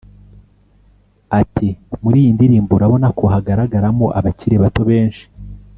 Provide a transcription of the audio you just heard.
Ati “Muri iyi ndirimbo urabona ko hagaragaramo abakiri bato benshi